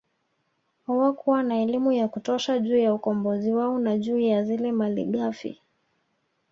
Hawakuwa na elimu ya kutosha juu ya ukombozi wao na juu ya zile malighafi